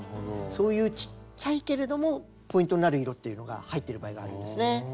そういうちっちゃいけれどもポイントになる色っていうのが入ってる場合がありますね。